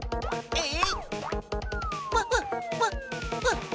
えっ？